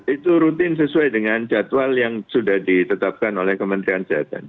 itu rutin sesuai dengan jadwal yang sudah ditetapkan oleh kementerian kesehatan